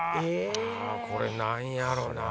これ何やろうな？